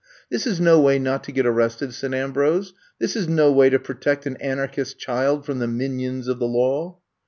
This is no way not to get arrested," said Ambrose. *' This is no way to protect an Anarchist child from the minions of the law.''